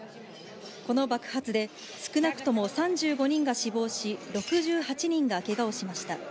この爆発で少なくとも３５人が死亡し、６８人がけがをしました。